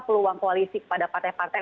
peluang koalisi kepada partai partai